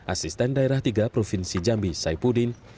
asisten daerah tiga provinsi jambi saipudin